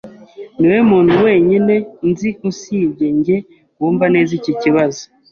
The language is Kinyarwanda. Niwowe muntu wenyine nzi usibye njye wumva neza iki kibazo.